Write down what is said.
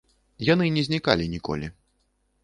Яны не знікалі ніколі.